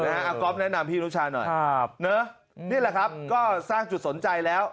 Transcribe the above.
เอาก๊อฟแนะนำพี่รุชาหน่อยนี่แหละครับก็สร้างจุดสนใจแล้ว